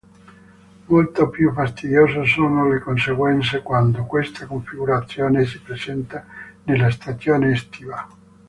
Molto più fastidiose sono le conseguenze quando questa configurazione si presenta nella stagione estiva.